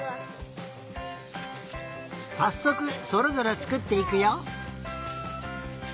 さっそくそれぞれつくっていくよ。